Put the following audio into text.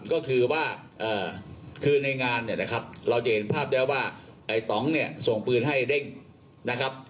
ก็คือว่าคือในงานเนี่ยนะครับเราจะเห็นภาพแล้วว่าไอ้ตองเนี่ยส่งปืนให้เด้งนะครับ